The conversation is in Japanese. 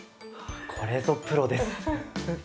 これぞプロです！